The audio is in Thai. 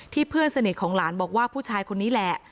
เพื่อนสนิทของหลานบอกว่าผู้ชายคนนี้แหละ